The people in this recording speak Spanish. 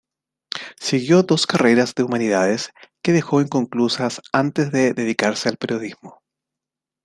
Siguió dos carreras de humanidades que dejó inconclusas antes de dedicarse al periodismo.